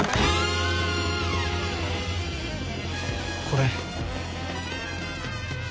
これ。